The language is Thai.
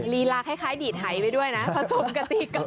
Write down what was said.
ลีลาคล้ายดีดหายไปด้วยนะผสมกติกา